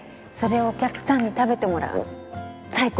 それをお客さんに食べてもらうの